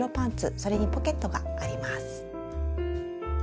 それにポケットがあります。